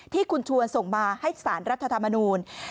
ที่คุณชวนส่งมาให้สารรัฐธรรมนูล